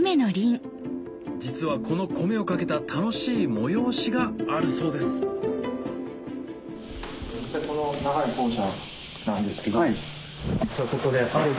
実はこの米を懸けた楽しい催しがあるそうですスポーツ？